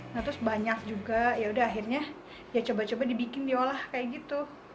nah terus banyak juga yaudah akhirnya ya coba coba dibikin diolah kayak gitu